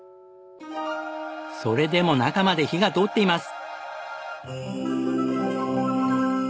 それでも中まで火が通っています！